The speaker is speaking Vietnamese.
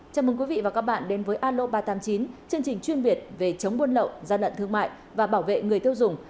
chào mừng quý vị và các bạn đến với alo ba trăm tám mươi chín chương trình chuyên biệt về chống buôn lậu gian lận thương mại và bảo vệ người tiêu dùng